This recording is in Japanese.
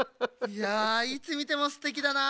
いやいつみてもすてきだなあ